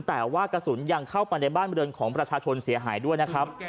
แต่ว่ากระสุนยังเข้าไปในบ้านบริเวณของประชาชนเสียหายด้วยนะครับ